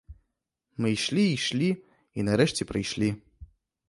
Мы ішлі, ішлі і нарэшце прыйшлі.